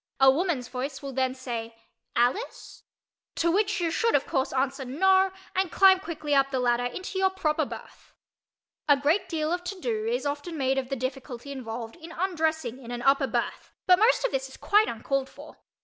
A woman's voice will then say "Alice?" to which you should of course answer "No" and climb quickly up the ladder into your proper berth. A great deal of "to do" is often made of the difficulty involved in undressing in an upper berth but most of this is quite uncalled for.